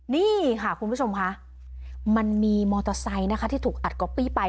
นี่ค่ะคุณผู้ชมค่ะมันมีมอเตอร์ไซค์นะคะที่ถูกอัดก๊อปปี้ไป